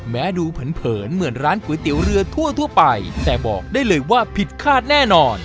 ดูเผินเหมือนร้านก๋วยเตี๋ยวเรือทั่วไปแต่บอกได้เลยว่าผิดคาดแน่นอน